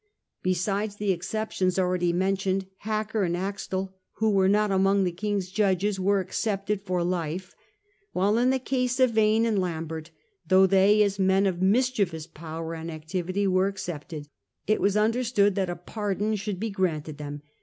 Besides the exceptions already men tioned, Hacker and Axtell, who were not among the King's judges, were excepted for life j while in the case of Vane and Lambert, though they, as men of mis chievous power and activity, were excepted, it was under stood that a pardon should be granted them